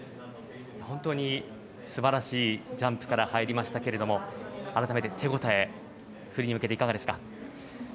本当にすばらしいジャンプから入りましたけど改めて手応えフリーに向けていかがですか？